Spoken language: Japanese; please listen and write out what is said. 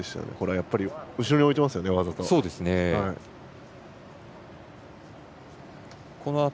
やっぱり後ろに置いてますよね、わざと。